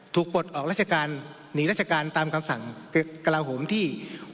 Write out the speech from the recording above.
ถูกปลดออกราชการหนีราชการตามคำสั่งกระหลาวโหมที่๖๒๑๒๕๓๖